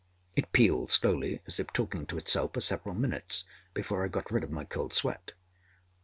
It pealed slowly, as if talking to itself, for several minutes before I got rid of my cold sweat.